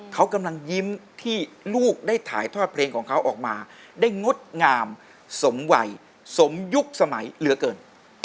เขากำลังยิ้มที่ลูกได้ถ่ายทอดเพลงของเขาออกมาได้งดงามสมวัยสมยุคสมัยเหลือเกิน